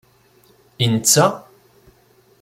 I netta?